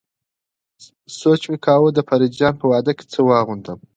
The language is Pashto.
سوچ مې کاوه د فريد جان په واده کې څه واغوندم.